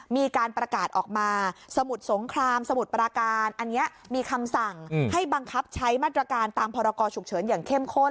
มีการประกาศออกมาสมุทรสงครามสมุทรปราการอันนี้มีคำสั่งให้บังคับใช้มาตรการตามพรกรฉุกเฉินอย่างเข้มข้น